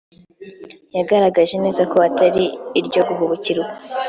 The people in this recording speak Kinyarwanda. yagaragaje neza ko atari iryo guhubukirwa